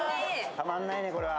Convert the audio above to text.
たまんないね、これは。